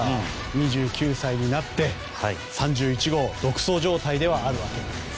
２９歳になって、３１号独走状態ではあるわけです。